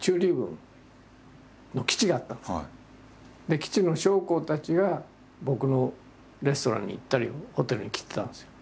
当時基地の将校たちが僕のレストランに行ったりホテルに来てたんですよ。